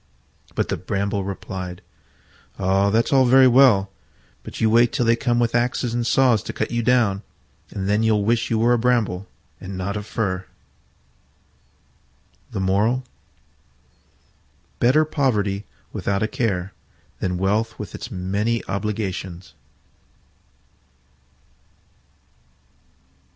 But the Bramble replied, "Ah, that's all very well: but you wait till they come with axes and saws to cut you down, and then you'll wish you were a Bramble and not a Fir." Better poverty without a care than wealth with its many obligations.